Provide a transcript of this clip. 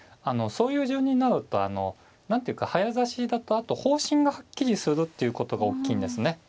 そういう順になると何ていうか早指しだとあと方針がはっきりするっていうことがおっきいんですね。